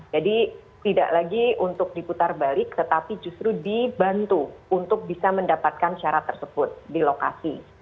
jadi tidak lagi untuk diputar balik tetapi justru dibantu untuk bisa mendapatkan syarat tersebut di lokasi